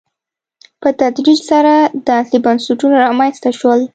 په تدریج سره داسې بنسټونه رامنځته شول.